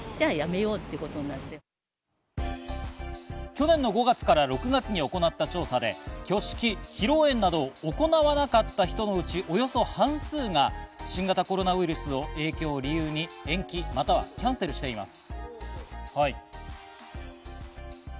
去年の５月から６月に行った調査で挙式、披露宴などを行わなかった人のうち、およそ半数が新型コロナウイルスの影響を理由に延期、またはキャンセルしています。